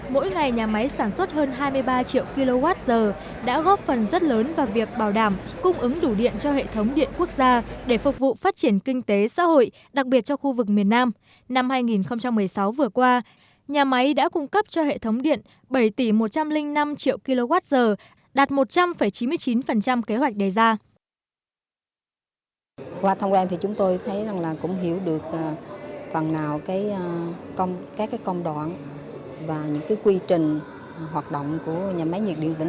mỗi ngày nhà máy nhiệt điện vĩnh tân hai có công suất một hai trăm bốn mươi bốn mw do tổng công ty phát điện ba